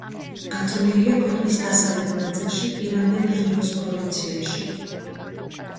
გაწოლილია ქვეყნის დასავლეთ ნაწილში, პინარ-დელ-რიოს პროვინციაში.